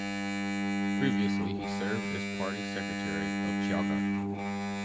Previously he served as party secretary of Xiaogan.